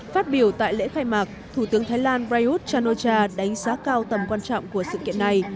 phát biểu tại lễ khai mạc thủ tướng thái lan prayuth chan o cha đánh giá cao tầm quan trọng của sự kiện này